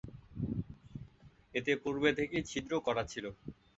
এতে পূর্বে থেকেই ছিদ্র করা থাকে।